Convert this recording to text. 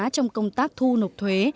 trong công tác thu nộp thuế